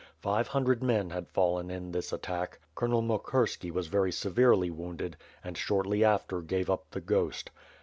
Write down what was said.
Five hundred men had fallen in this attack. Colonel Mokrski was very severely wounded and shortly after gave up the ghost.